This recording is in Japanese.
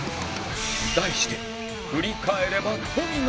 題して